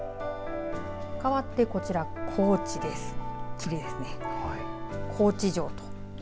かわって、こちら高知です。